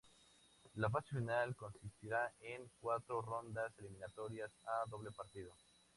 La fase final consistirá en cuatro rondas eliminatorias a doble partido.